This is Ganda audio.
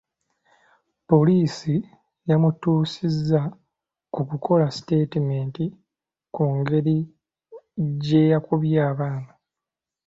Poliisi yamutuusiza ku kukola siteetimenti ku ngeri ge yakubye abaana.